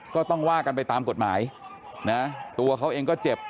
ก็ต้องว่ากันไปตามกฎหมายนะตัวเขาเองก็เจ็บ